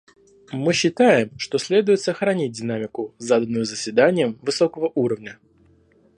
Мы считаем, что следует сохранить динамику, заданную Заседанием высокого уровня.